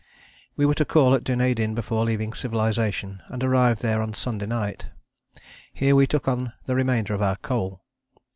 We were to call at Dunedin before leaving civilization, and arrived there on Sunday night. Here we took on the remainder of our coal.